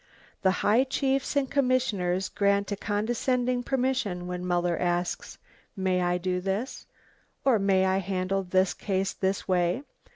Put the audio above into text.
The high chiefs and commissioners grant a condescending permission when Muller asks, "May I do this? ... or may I handle this case this way?"